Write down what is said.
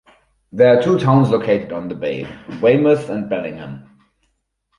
There are two towns located on the bay: Weymouth and Bellingham.